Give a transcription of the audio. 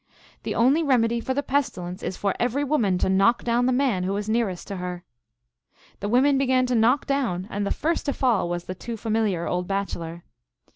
" The only remedy for the pestilence is for every woman to knock down the man who is nearest her." The women began to knock down, and the first to fall was the too familiar old bachelor.